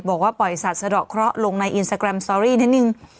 บอกว่าปล่อยสัตว์สะดอกเคราะห์ลงในอินสตาแกรมสตอรี่นิดนึง